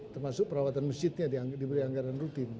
termasuk perawatan masjidnya diberi anggaran rutin